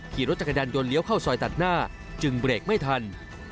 ขี่รถจักรยานยนต์เลี้ยวเข้าซอยตัดหน้าจึงเบรกไม่ทัน